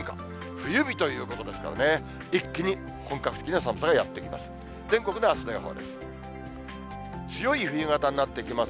冬日ということですからね、一気に本格的な寒さがやって来ます。